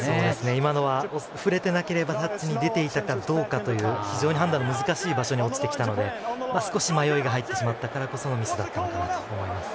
今のは触れていなければタッチに出ていたかどうかという非常に判断が難しいところに落ちてきたので、少し迷いが入ってしまったからこそのミスだったのかなと思います。